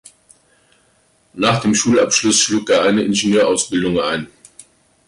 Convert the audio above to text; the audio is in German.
Nach dem Schulabschluss schlug er eine Ingenieursausbildung ein.